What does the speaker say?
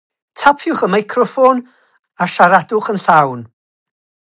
Cafodd Adam ei droi'n atomau pan ffrwydrodd y roced wrth fynd i'r atmosffer uwch.